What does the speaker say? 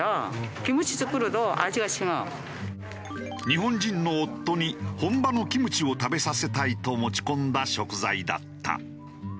日本人の夫に本場のキムチを食べさせたいと持ち込んだ食材だった。